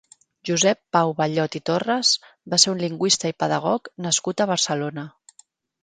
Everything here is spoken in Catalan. Josep Pau Ballot i Torres va ser un lingüista i pedagog nascut a Barcelona.